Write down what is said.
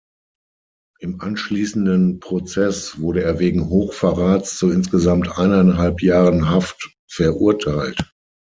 Im anschließenden Prozess wurde er wegen Hochverrats zu insgesamt eineinhalb Jahren Haft verurteilt.